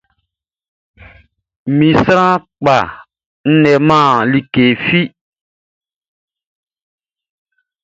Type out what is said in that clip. Mi sran kpa n leman like fi.